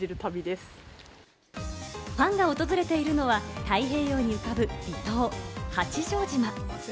ファンが訪れているのは、太平洋に浮かぶ離島・八丈島。